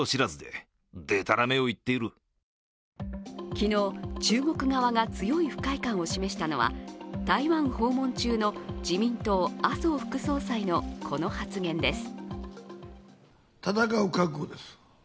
昨日、中国側が強い不快感を示したのは台湾訪問中の自民党・麻生副総裁のこの発言です。